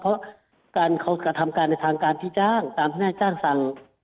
เพราะการเขากระทำการในทางการที่จ้างตามทนายจ้างสั่ง